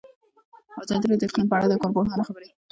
ازادي راډیو د اقلیم په اړه د کارپوهانو خبرې خپرې کړي.